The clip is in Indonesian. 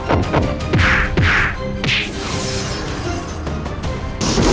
ayo kita berdua